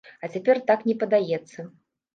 А цяпер так не падаецца.